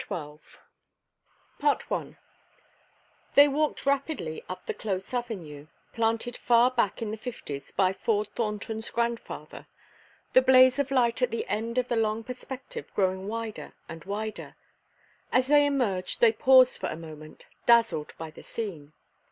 CHAPTER XII I They walked rapidly up the close avenue planted far back in the Fifties by Ford Thornton's grandfather the blaze of light at the end of the long perspective growing wider and wider. As they emerged they paused for a moment, dazzled by the scene.